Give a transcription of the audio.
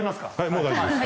もう大丈夫です。